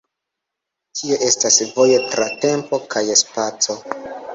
Tio estas vojo tra tempo kaj spaco.